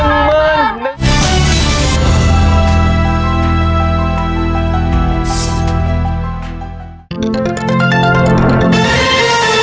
จะได้โบนัสกลับไปบ้านเข้าเลย